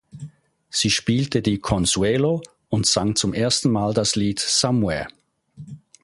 Sie spielte die "Consuelo" und sang zum ersten Mal das Lied "Somewhere.